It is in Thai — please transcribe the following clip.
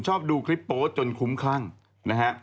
ชอบดูคลิปโป๊ตจนคุ้มคลั่งนะฮะ